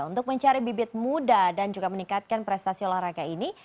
untuk mencari bibit muda dan juga meningkatkan prestasi olahraga ini